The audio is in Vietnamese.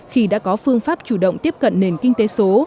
khi đã có phương pháp chủ động tiếp cận nền kinh tế số